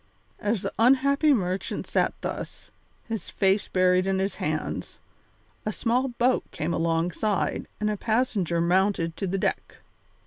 As the unhappy merchant sat thus, his face buried in his hands, a small boat came alongside and a passenger mounted to the deck.